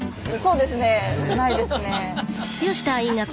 そうですねないですね。